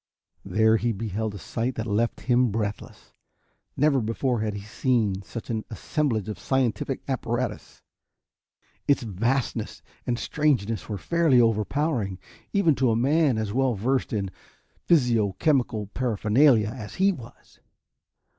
There he beheld a sight that left him breathless. Never before had he seen such an assemblage of scientific apparatus. Its vastness and strangeness were fairly overpowering, even to a man as well versed in physio chemical paraphernalia as he was.